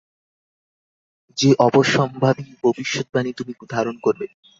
যে অবশ্যসম্ভাবী ভবিষ্যদ্বাণী তুমি ধারণ করবে।